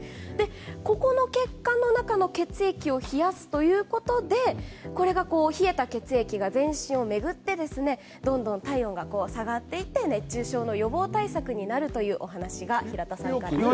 ここの血管の中の血液を冷やすということで冷えた血液が全身を巡ってどんどん体温が下がっていって熱中症の予防対策になるというお話が平田さんからありました。